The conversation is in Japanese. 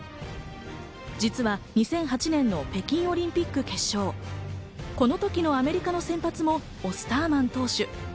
実は２００８年の北京オリンピック決勝、この時のアメリカの先発もオスターマン投手。